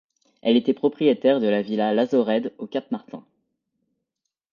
Elle était propriétaire de la villa La Zoraide au Cap Martin.